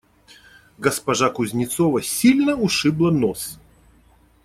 Госпожа Кузнецова сильно ушибла нос.